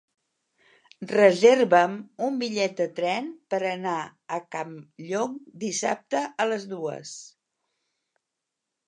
Reserva'm un bitllet de tren per anar a Campllong dissabte a les dues.